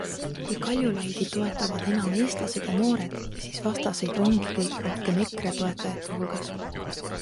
Kui Kaljulaidi toetavad enam eestlased ja noored, siis vastaseid ongi kõige rohkem EKRE toetajate hulgas.